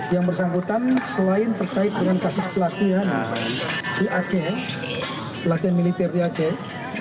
yang bersangkutan selain terkait dengan kasus pelatihan di aceh pelatihan militer di aceh